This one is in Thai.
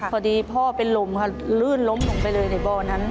พอดีพ่อเป็นลมค่ะลื่นล้มลงไปเลยในบ่อนั้น